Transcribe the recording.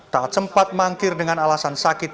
taat sempat mangkir dengan alasan sakit